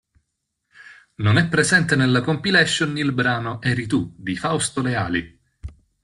Non è presente nella compilation il brano "Eri tu" di Fausto Leali.